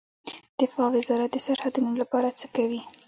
دفاع وزارت د سرحدونو لپاره څه کوي؟